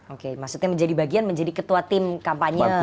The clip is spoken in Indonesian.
oke maksudnya menjadi bagian menjadi ketua tim kampanye